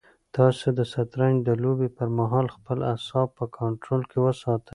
تاسو د شطرنج د لوبې پر مهال خپل اعصاب په کنټرول کې وساتئ.